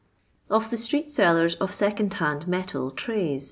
Of the Stbbkt Sbllxrs of Second Hand Metal Trats, &c.